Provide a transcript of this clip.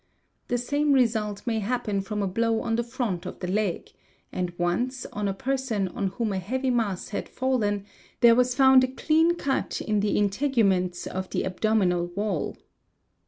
The same result may happen from a blow on the front of the leg ; and ; once, on a person on whom a heavy mass had fallen, there was found a clean cut in the integuments of. the abdominal wall.